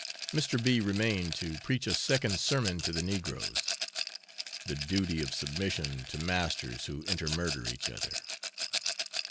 Mr. B remained to preach a second sermon to the negroes the duty of submission to masters who intermurder each other.